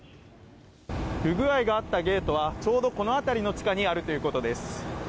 不具合があったゲートはちょうどこの辺りの地下にあるということです。